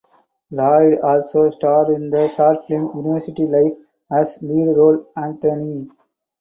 Lloyd also starred in the short film University life as lead role Anthony.